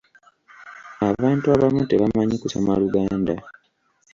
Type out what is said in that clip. Abantu abamu tebamanyi kusoma luganda.